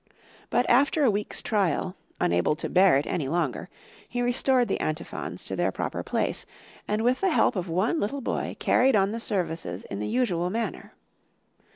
But after a week's trial, unable to bear it any longer, he restored the antiphons to their proper place, and with the help of one little boy carried on the services in the usual manner.